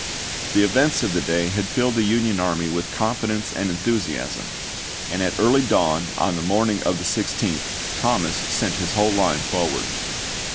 The events of the day had filled the Union army with confidence and enthusiasm, and at early dawn on the morning of the 16th Thomas sent his whole Dec.,i864. line forward.